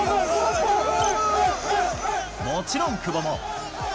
もちろん、久保も。